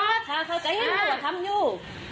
นะคะเค้าเกิดจะหิ้นยังไงต่อไปทำอยู่